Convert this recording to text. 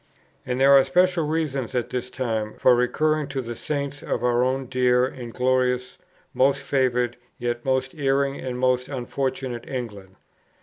And there are special reasons at this time for recurring to the Saints of our own dear and glorious, most favoured, yet most erring and most unfortunate England.